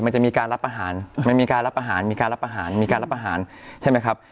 มันจะมีการรับอาหารมันมีการรับอาหารมีการรับอาหารมีการรับอาหารใช่ไหมครับ